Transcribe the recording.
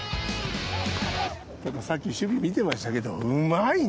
さっき守備見てましたけどうまいね！